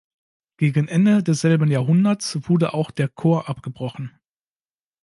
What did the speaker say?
Gegen Ende desselben Jahrhunderts wurde auch der Chor abgebrochen.